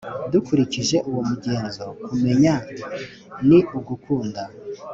dukurikije uwo mugenzo, kumenya ni ugukunda.